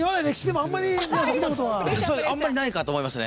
あんまりないかと思いますね。